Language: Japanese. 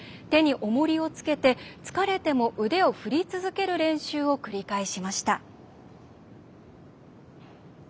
手に、おもりをつけて疲れても腕を振り続ける練習を繰り返しました。